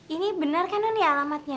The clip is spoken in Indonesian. ini benar kan noni alamatnya